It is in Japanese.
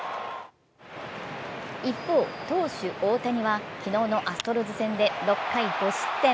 一方、投手・大谷は昨日のアストロズ戦で６回５失点。